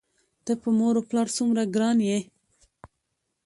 ته په مور و پلار څومره ګران یې؟!